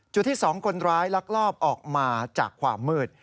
จุดที่๒คนร้ายลักลอบออกมาจากความมืด